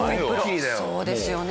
そうですよね。